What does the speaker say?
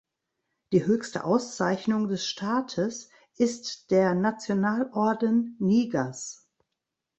Die höchste Auszeichnung des Staates ist der Nationalorden Nigers.